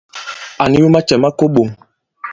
À niw macɛ̌ ma ko i iɓoŋ.